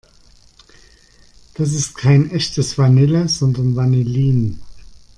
Das ist kein echtes Vanille, sondern Vanillin.